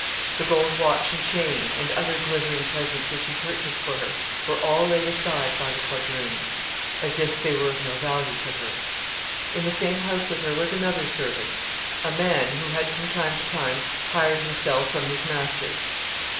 The gold watch and chain, and other glittering presents which he purchased for her, were all laid aside by the quadroon, as if they were of no value to her. In the same house with her was another servant, a man, who had from time to time hired himself from his master.